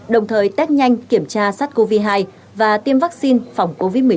đồng thời test nhanh kiểm tra sát covid hai và tiêm vaccine phòng covid một mươi chín